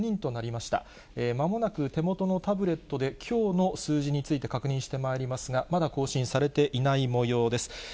まもなく手元のタブレットできょうの数字について確認してまいりますが、まだ更新されていないもようです。